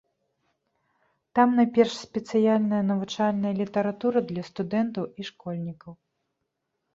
Там найперш спецыяльная навучальная літаратура для студэнтаў і школьнікаў.